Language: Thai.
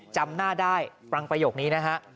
จำหน้าได้ฟังประโยคนี้นะฮะ